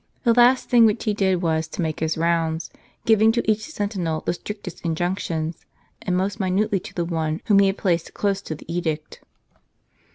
The last thing which he did was to make his rounds, giving to each sentinel the strictest injunctions; and most minutely to the one whom he had placed close to the edict.